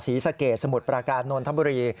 ศรีสะเกตสมุดปราการนนท์ธรรมบุรี